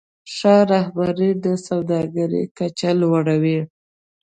ښه رهبري د سوداګرۍ کچه لوړوي.